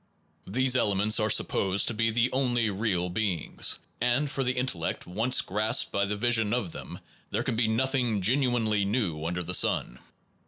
These elements are supposed and novelty to be the only real beings; and, for the intellect once grasped by the vision of them, there can be nothing genuinely new under the sun.